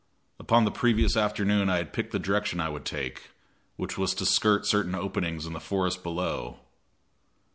Upon the previous afternoon I had picked the direction I would take, which was to skirt certain openings in the forest below.